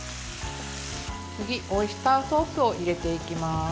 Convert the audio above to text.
次、オイスターソースを入れていきます。